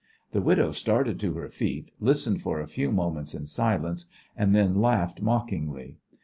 The widow started to her feet, listened for a few moments in silence, and then laughed mockingly.